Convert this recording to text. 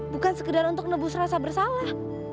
bukan sekedar untuk nebus rasa bersalah